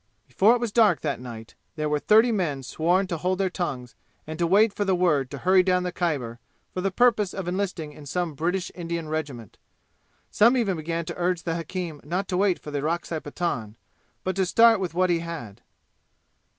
Before if was dark that night there were thirty men sworn to hold their tongues and to wait for the word to hurry down the Khyber for the purpose of enlisting in some British Indian regiment. Some even began to urge the hakim not to wait for the Orakzai Pathan, but to start with what he had.